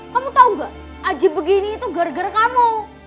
kamu tau gak aji begini itu gara gara kamu